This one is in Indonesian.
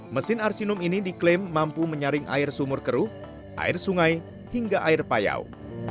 mesin arsinum ini diklaim mampu menyaring air sumur keruh air sungai hingga air payau